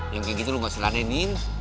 yang kayak gitu lo masih ladain ian